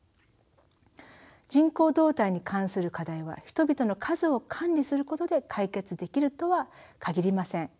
人口動態に関する課題は人々の数を管理することで解決できるとは限りません。